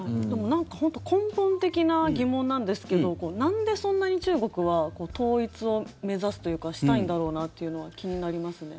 なんか本当に根本的な疑問なんですけどなんで、そんなに中国は統一を目指すというかしたいんだろうなというのは気になりますね。